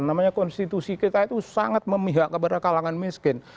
namanya konstitusi kita itu sangat memihak kepada kalangan miskin